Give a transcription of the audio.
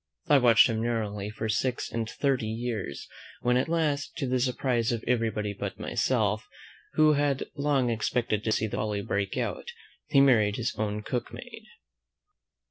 I watched him narrowly for six and thirty years, when at last, to the surprise of everybody but myself, who had long expected to see the folly break out, he married his own cook maid.